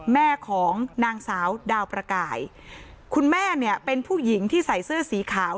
แม่ของนางสาวดาวประกายคุณแม่เนี่ยเป็นผู้หญิงที่ใส่เสื้อสีขาว